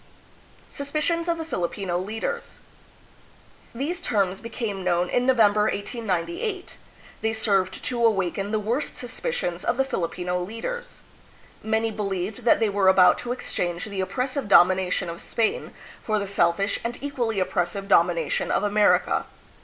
Suspicions of the Filipino Leaders. These General Luna. terms became known in Novem ber, 1898. They served to awaken the worst suspicions of the Filipino leaders. Many believed that they were about to exchange the oppressive domination of Spain for the selfish and equally oppressive domination of Amer ica.